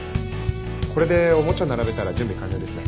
これでおもちゃ並べたら準備完了ですね。